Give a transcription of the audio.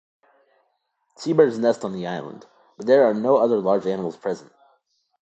Seabirds nest on the island, but there are no other large animals present.